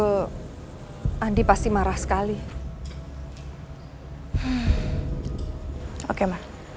kalau sampai mama enggak muncul